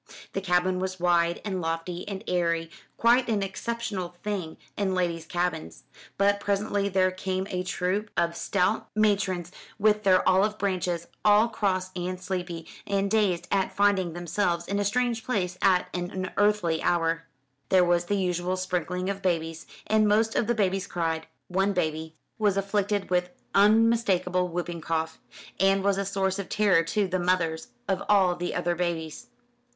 The cabin was wide and lofty and airy, quite an exceptional thing in ladies' cabins; but presently there came a troop of stout matrons with their olive branches, all cross and sleepy, and dazed at finding themselves in a strange place at an unearthly hour. There was the usual sprinkling of babies, and most of the babies cried. One baby was afflicted with unmistakable whooping cough, and was a source of terror to the mothers of all the other babies.